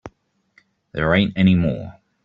There ain't any more.